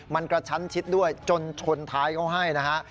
มันกระชั้นชิดด้วยจนชนท้ายเขาให้นะฮะ